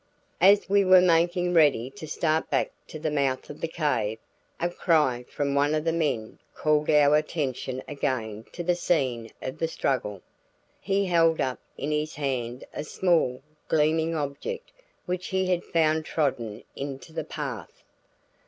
As we were making ready to start back to the mouth of the cave, a cry from one of the men called our attention again to the scene of the struggle. He held up in his hand a small, gleaming object which he had found trodden into the path.